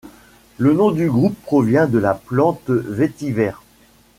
Le nom du groupe provient de la plante Vétiver.